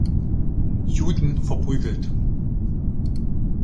Juden verprügelt.